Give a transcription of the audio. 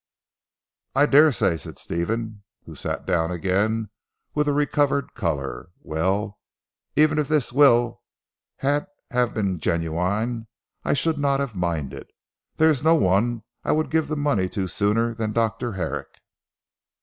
"I daresay," said Stephen who sat down again with a recovered colour, "well, even if this will had have been genuine I should not have minded. There is no one I would give the money to sooner than Dr. Herrick.